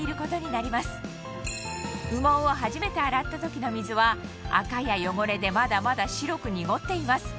羽毛を初めて洗った時の水はアカや汚れでまだまだ白く濁っています